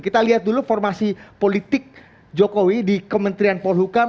kita lihat dulu formasi politik jokowi di kementerian polhukam